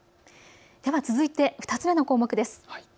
では続いて２つ目の項目です。